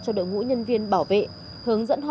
cho đội ngũ nhân dân